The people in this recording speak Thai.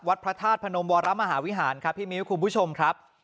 วัดพระธาตุพระนมวรมหาวิหารพี่มิวคุณผู้ชมครับ